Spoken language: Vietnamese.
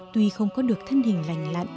tuy không có được thanh hình lành lạnh